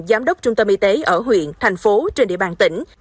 giám đốc trung tâm y tế ở huyện thành phố trên địa bàn tỉnh